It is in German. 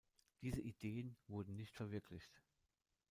Diese Ideen wurden nicht verwirklicht.